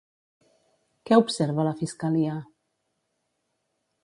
Què observa la fiscalia?